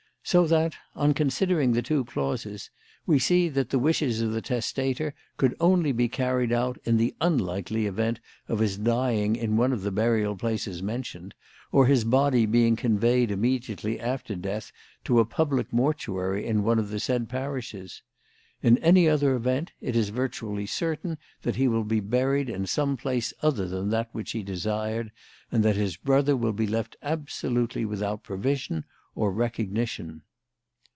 So that, on considering the two clauses, we see that the wishes of the testator could only be carried out in the unlikely event of his dying in one of the burial places mentioned, or his body being conveyed immediately after death to a public mortuary in one of the said parishes. In any other event, it is virtually certain that he will be buried in some place other than that which he desired, and that his brother will be left absolutely without provision or recognition."